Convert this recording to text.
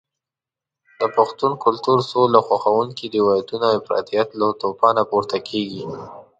د پښتون کلتور سوله خوښونکي روایتونه د افراطیت له توپانه پورته کېږي.